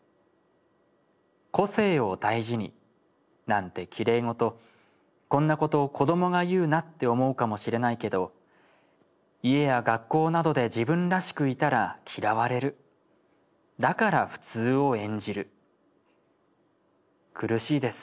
個性を大事になんてきれいごとこんな事子どもが言うなって思うかもしれないけど家や学校などで自分らしくいたら嫌われるだから普通を演じる苦しいです